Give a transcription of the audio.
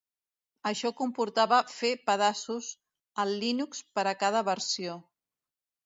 Això comportava fer pedaços al Linux per a cada versió.